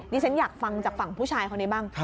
ฉันอยากฟังจากฝั่งผู้ชายคนนี้บ้าง